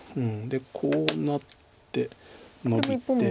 こうなってノビて。